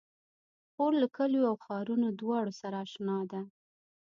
خور له کليو او ښارونو دواړو سره اشنا ده.